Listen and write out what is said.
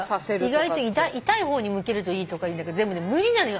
意外と痛い方に向けるといいとか言うんだけどでもね無理なのよ。